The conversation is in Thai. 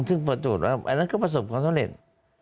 ซึ่งประจวดว่าอันนั้นก็ประสบความสำเร็จ